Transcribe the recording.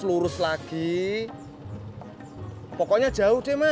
kamu lo sakai dua dia ng descenternya